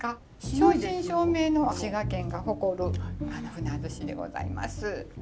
正真正銘の滋賀県が誇る鮒寿司でございます。